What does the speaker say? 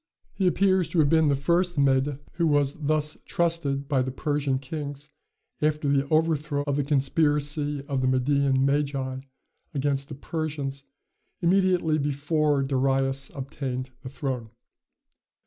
He appears to have been the first Mede who was thus trusted by the Persian kings after the overthrow of the conspiracy of the Median magi against the Persians immediately before Darius obtained the throne.